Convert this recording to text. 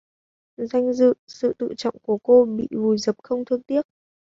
Danh dự sự tự trọng của cô bị vùi dập không thương tiếc